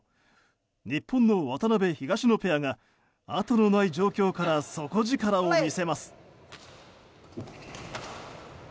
日本の渡辺、東野ペアがあとのない状況から底力を見せます。